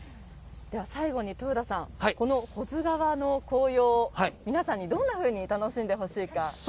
最後に豊田さん、保津川の紅葉皆さんにどんなふうに楽しんでほしいか。